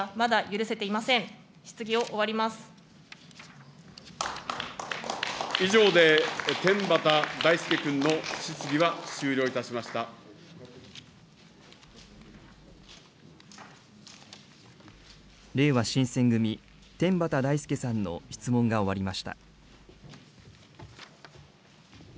れいわ新選組、天畠大輔さんの質問が終わりました。